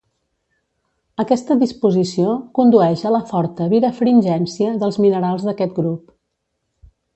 Aquesta disposició condueix a la forta birefringència dels minerals d'aquest grup.